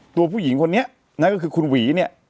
ผู้หญิงคนนี้นั่นก็คือคุณหวีเนี่ย